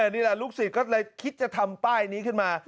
นี่แหละลูกศิษย์ก็เลยคิดจะทำป้ายนี้ขึ้นมา